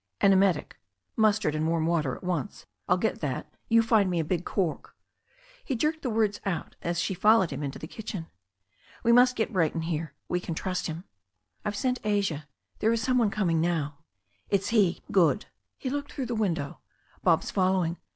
"An emetic — ^mustard and warm water — at once — ^I'U get that — ^you find me a big cork " He jerked the words out as she followed him into the kitchen. 'We must get Brayton here — ^we can trust him." I've sent Asia — ^there is some one coming now." It's he. Good." He looked through the window. "Bob's following.